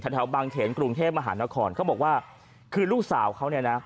แถวบางเขนกรุงเทพมหานครเขาบอกว่าคือลูกสาวเขาเนี่ยนะ